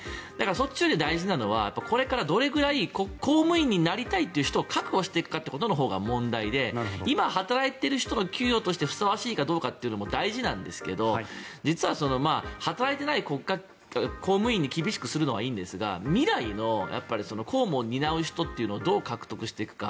そっちより大事なのはこれからどれぐらい公務員になりたい人を確保していくかが問題で今働いている人が給与としてふさわしいかどうかも大事なんですが実は働いていない公務員に厳しくするのはいいんですけど未来の公務を担う人というのをどう獲得していくか。